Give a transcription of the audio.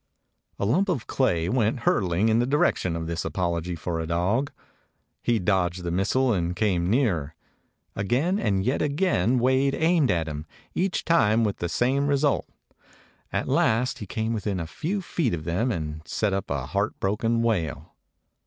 A lump of clay went hurtling in the direc tion of this apology for a dog. He dodged the missile and came nearer. Again and yet again Wade aimed at him, each time with the same result. At last he came within a few feet of them and set up a heart broken wail.